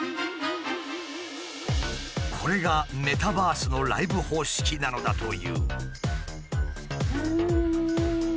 これがメタバースのライブ方式なのだという。